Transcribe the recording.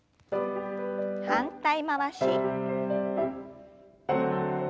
反対回し。